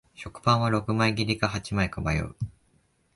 食パンは六枚切りか八枚か迷う